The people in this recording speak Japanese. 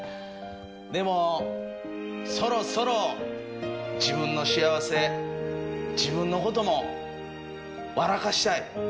でもそろそろ自分の幸せ自分のことも笑かしたい。